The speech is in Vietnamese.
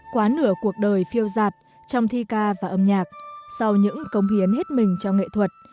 quá nửa cuộc đời phiêu giạt trong thi ca và âm nhạc sau những công hiến hết mình trong nghệ thuật